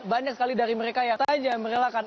banyak sekali dari mereka yang saja merelakan